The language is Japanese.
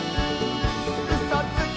「うそつき！」